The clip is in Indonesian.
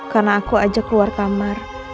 karena aku aja keluar kamar